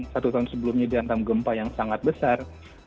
dua ribu sembilan satu tahun sebelumnya dihantam gempa yang sangat besar